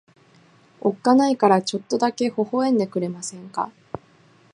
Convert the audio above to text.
おっかないからちょっとだけ微笑んでくれませんか。